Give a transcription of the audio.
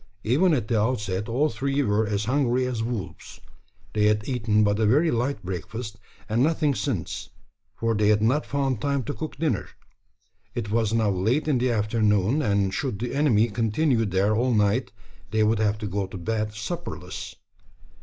Even at the outset all three were as hungry as wolves. They had eaten but a very light breakfast, and nothing since: for they had not found time to cook dinner. It was now late in the afternoon; and should the enemy continue there all night, they would have to go to bed supperless.